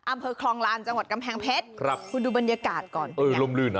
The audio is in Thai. อำเภอคลองลานจังหวัดกำแพงเพชรครับคุณดูบรรยากาศก่อนเออล่มลื่นอ่ะ